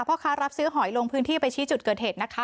พ่อค้ารับซื้อหอยลงพื้นที่ไปชี้จุดเกิดเหตุนะคะ